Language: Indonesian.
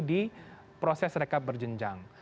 di proses rekab berjenjang